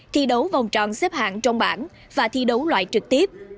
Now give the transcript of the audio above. thi đấu vòng tròn xếp hạng trong bảng và thi đấu loại trực tiếp